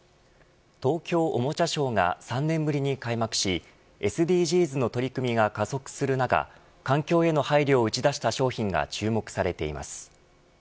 東京おもちゃショーが３年ぶりに開幕しＳＤＧｓの取り組みが加速する中環境への配慮を打ち出した商品が注目されています。